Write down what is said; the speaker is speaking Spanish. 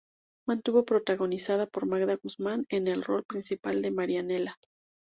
Estuvo protagonizada por Magda Guzmán en el rol principal de "Marianela".